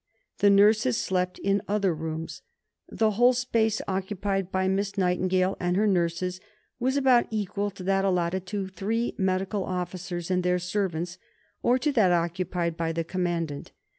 The nurses slept in other rooms. The whole space occupied by Miss Nightingale and her nurses was about equal to that allotted to three medical officers and their servants, or to that occupied by the Commandant.